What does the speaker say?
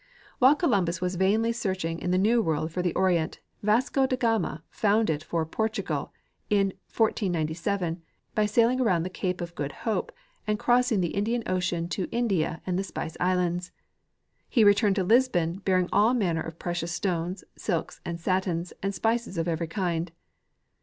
While Columbus was vainly searching in the new Avorld for the Orient, Vasco de Gama found it for Portugal in 1497 by sail ing around the cape of Good Hope and crossing the Indian ocean to India and the Spice islands. He returned to Lisbon bringing all manner of precious stones, silks and satins, and spices of every kind.